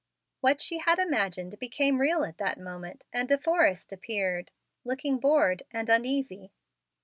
What she had imagined became real at that moment, and De Forrest appeared, looking bored and uneasy.